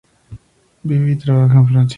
Vive y trabaja en Francia.